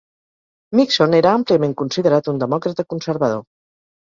Mixson era àmpliament considerat un demòcrata conservador.